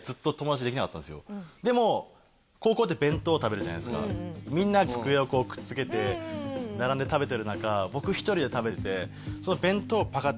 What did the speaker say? でも高校って弁当食べるじゃないですかみんな机をこうくっつけて並んで食べてる中僕１人で食べてて弁当パカ